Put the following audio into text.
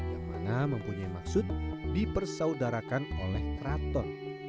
yang mana mempunyai maksud dipersaudarakan oleh keraton